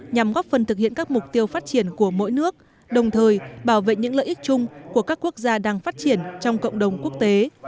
nhằm góp phần thực hiện các mục tiêu phát triển của mỗi nước đồng thời bảo vệ những lợi ích chung của các quốc gia đang phát triển trong cộng đồng quốc tế